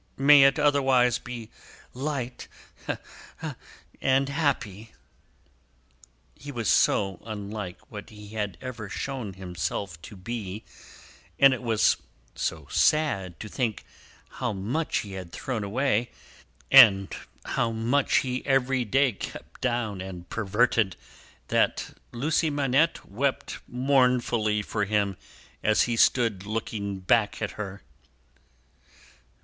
May it otherwise be light and happy!" He was so unlike what he had ever shown himself to be, and it was so sad to think how much he had thrown away, and how much he every day kept down and perverted, that Lucie Manette wept mournfully for him as he stood looking back at her.